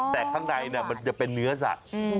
แต่ข้างในมันจะเป็นเนื้อสัตว์